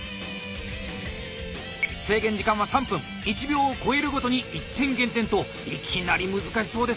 １秒を超えるごとに１点減点といきなり難しそうですね。